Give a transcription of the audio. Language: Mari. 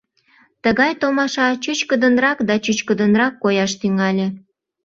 Тыгай томаша чӱчкыдынрак да чӱчкыдынрак кояш тӱҥале.